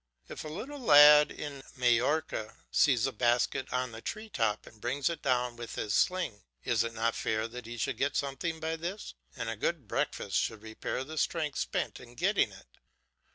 If a little lad in Majorca sees a basket on the tree top and brings it down with his sling, is it not fair that he should get something by this, and a good breakfast should repair the strength spent in getting it.